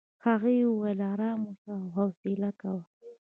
هغې وویل ارام اوسه او حوصله کوه.